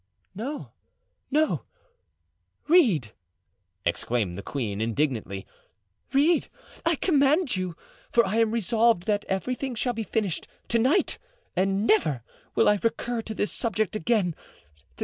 "No, no, read," exclaimed the queen, indignantly; "read, I command you, for I am resolved that everything shall be finished to night and never will I recur to this subject again.